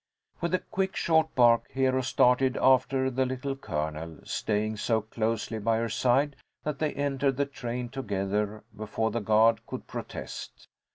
With a quick, short bark, Hero started after the Little Colonel, staying so closely by her side that they entered the train together before the guard could protest.